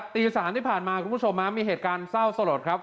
ตี๓ที่ผ่านมาคุณผู้ชมมีเหตุการณ์เศร้าสลดครับ